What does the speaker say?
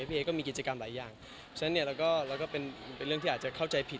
พี่เอ๊ก็มีกิจกรรมหลายอย่างฉะนั้นเนี่ยเราก็เป็นเรื่องที่อาจจะเข้าใจผิด